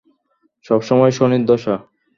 সবসময় শনির দশা!